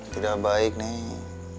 tidak baik neng